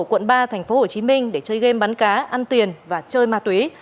quận ba tp hcm để chơi game bắn cá ăn tiền và chơi ma túy